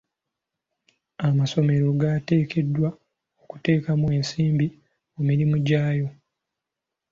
Amasomero gateekeddwa okuteeka ensimbi mu mirimu gyago.